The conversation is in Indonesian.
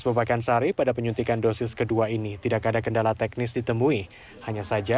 babakan sari pada penyuntikan dosis kedua ini tidak ada kendala teknis ditemui hanya saja